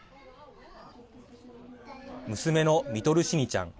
娘のミトルシニちゃん。